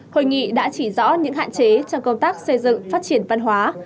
hội nghị đã chỉ rõ những hạn chế trong công tác xây dựng phát triển văn hóa